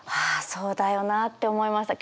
そうだよなって思いました。